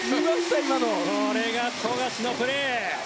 これが富樫のプレー。